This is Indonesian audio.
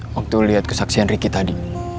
waktu liat kesaksian ricky tadi